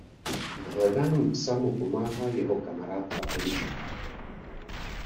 V hledání psa mu pomáhá jeho kamarádka Eliška.